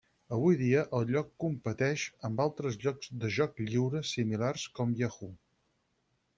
Avui dia, el lloc competeix amb altres llocs de joc lliure similars, com Yahoo!